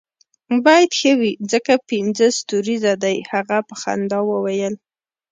باید ښه وي ځکه پنځه ستوریزه دی، هغه په خندا وویل.